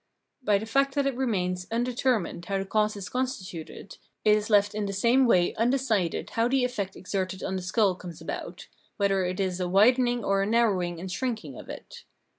By the fact that it remains imdetermined how the cause is constituted, it is left in the same way undecided how the effect exerted on the skull comes about, whether it is a widening or a narrowing and shrinking of it.